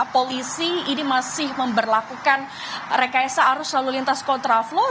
polisi ini masih memperlakukan rekayasa arus lalu lintas kontraflow